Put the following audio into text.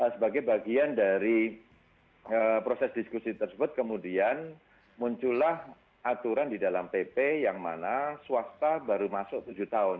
sebagai bagian dari proses diskusi tersebut kemudian muncullah aturan di dalam pp yang mana swasta baru masuk tujuh tahun